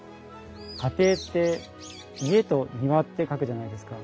家庭って「家」と「庭」って書くじゃないですか。